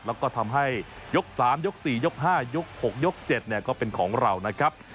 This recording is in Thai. แล้วก็ทำให้ยก๓ยก๔ยก๕ยก๖ยก๗ก็เป็นของเรานะครับ